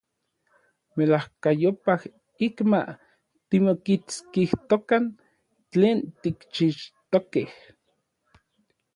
Melajkayopaj ik ma timokitskijtokan tlen tikchixtokej.